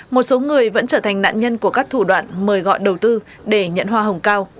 một số người vẫn trở thành nạn nhân của các thủ đoạn mời gọi đầu tư để nhận hoa hồng cao